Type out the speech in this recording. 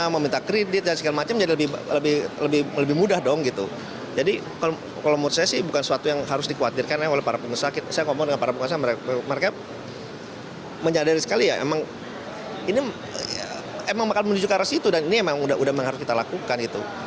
mereka menyadari sekali ya emang ini emang bakal menuju ke arah situ dan ini emang udah harus kita lakukan